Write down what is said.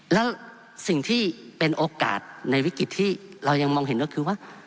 แล้วสิ่งที่เป็นโอกาสในวิกฤตที่เรายังมองเห็นก็คือว่า